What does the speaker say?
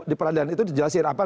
di peradilan itu dijelasin apa